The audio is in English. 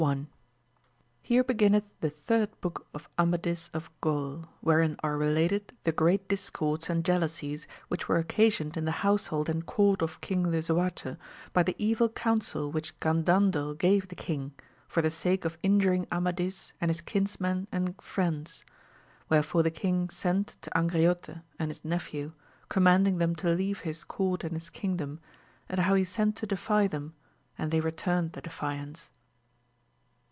— Here heginnetli the third Book of Amadis of Gkiul, wherein are related the great discords and jealousies which were occasioned in the household and court of King Lisuarte, bj the eyil counsel which Gandandel gave the king, for the Bake of injuring Amadis and his kinsmen and friends. Where fore the king sent to Angriote and his nephew, commanding them to leave his court and his kingdom, and how he sent to defy them, and they returned the defiance.